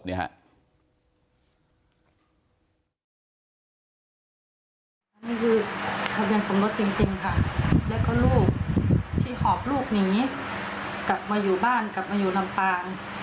นี่คือทะเบียนสมรสจริงค่ะแล้วก็ลูกที่หอบลูกหนีกลับมาอยู่บ้านกลับมาอยู่ลำปาง